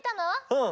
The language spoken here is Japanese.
うん！